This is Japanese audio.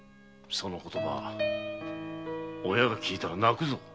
その言葉親が聞いたら泣くぞ。